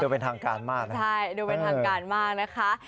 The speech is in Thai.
เป็นทางการมากนะใช่ดูเป็นทางการมากนะคะ